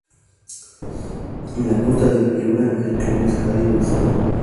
En la costa de Piura, el clima es cálido y seco.